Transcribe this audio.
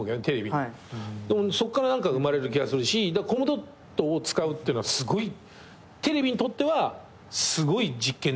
そっから何か生まれる気がするしコムドットを使うってのはテレビにとってはすごい実験だし。